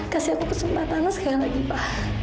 kasih aku kesempatan sekali lagi pak